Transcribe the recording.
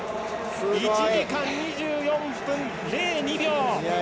１時間２４分０２秒！